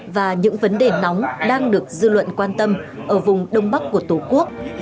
và những vấn đề nóng đang được dư luận quan tâm ở vùng đông bắc của tổ quốc